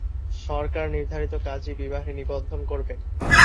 সরকার নির্ধারিত কাজী বিবাহের নিবন্ধন করবেন।